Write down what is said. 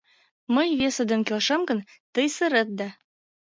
Мый весе ден келшем гын, тый сырет да